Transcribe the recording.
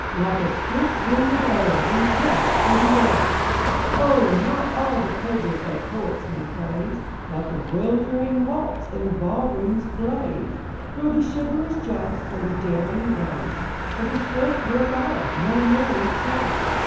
Like a swift winged arrow we rush through the air ! Oh, not all the pleasures that poets may praise. Not the 'wHdering waltz in the ball room's blaze, Nor the chivalrous joust, nor the daring race. Nor the swift regatta, nor merry chase.